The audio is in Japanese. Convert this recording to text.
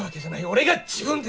俺が自分で！